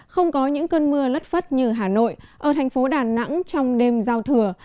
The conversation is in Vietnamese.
không có những cơn mưa lất phất như hà nội ở thành phố đà nẵng trong đêm giao thừa